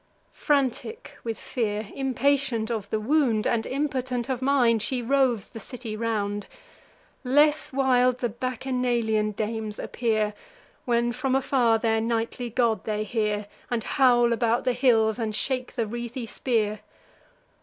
Frantic with fear, impatient of the wound, And impotent of mind, she roves the city round. Less wild the Bacchanalian dames appear, When, from afar, their nightly god they hear, And howl about the hills, and shake the wreathy spear.